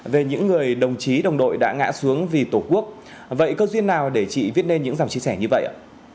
về những người đồng chí đồng đội đã ngã xuống vì tổ quốc vậy cơ duyên nào để chị viết nên những dòng chia sẻ như vậy ạ